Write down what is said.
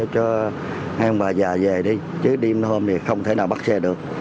cho hai bà già về đi chứ đêm hôm thì không thể nào bắt xe được